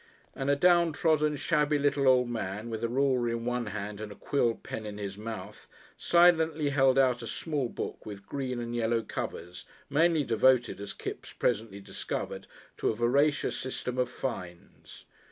and a down trodden, shabby little old man with a ruler in one hand and a quill pen in his mouth, silently held out a small book with green and yellow covers, mainly devoted, as Kipps presently discovered, to a voracious system of fines.